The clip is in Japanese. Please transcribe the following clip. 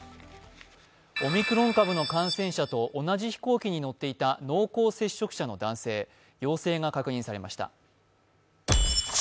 オミクロン株の感染者と同じ飛行機に乗っていた濃厚接触者の男性陽性が確認されました。